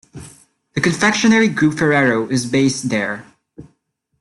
The confectionery group Ferrero is based there.